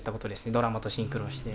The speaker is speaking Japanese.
ドラマとシンクロして。